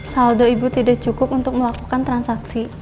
saldo ibu tidak cukup untuk melakukan transaksi